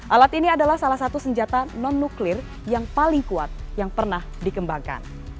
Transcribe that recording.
alat ini adalah salah satu senjata non nuklir yang paling kuat yang pernah dikembangkan